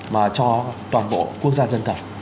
mà cho toàn bộ quốc gia dân thật